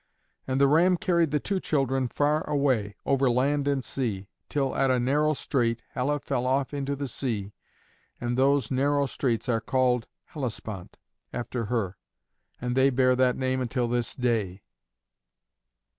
And the ram carried the two children far away, over land and sea, till at a narrow strait Helle fell off into the sea, and those narrow straits are called "Hellespont" after her, and they bear that name until this day.